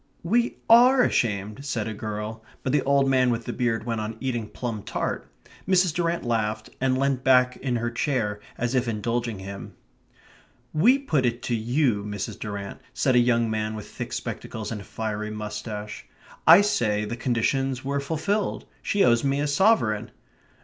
"We ARE ashamed," said a girl. But the old man with the beard went on eating plum tart. Mrs. Durrant laughed and leant back in her chair, as if indulging him. "We put it to you, Mrs. Durrant," said a young man with thick spectacles and a fiery moustache. "I say the conditions were fulfilled. She owes me a sovereign."